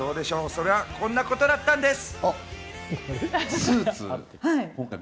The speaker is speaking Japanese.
それはこんなことだったんです。